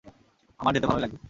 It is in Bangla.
আমার যেতে ভালোই লাগবে।